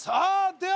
では